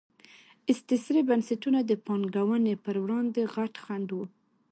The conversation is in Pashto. استثري بنسټونه د پانګونې پر وړاندې غټ خنډ وو.